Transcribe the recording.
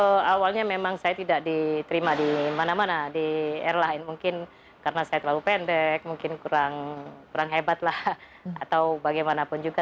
kalau awalnya memang saya tidak diterima di mana mana di airline mungkin karena saya terlalu pendek mungkin kurang hebat lah atau bagaimanapun juga